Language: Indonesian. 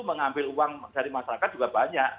mengambil uang dari masyarakat juga banyak